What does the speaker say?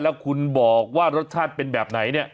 แล้วคุณบอกว่ารสชาติเป็นแบบไหนเนี่ย